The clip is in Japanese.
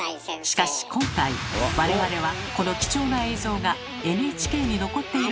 しかし今回我々はこの貴重な映像がＮＨＫに残っていることを発見。